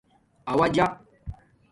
اݸ جݳ